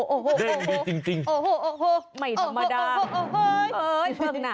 โอโหไม่ธรรมดา